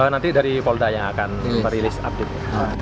nanti dari polda yang akan merilis update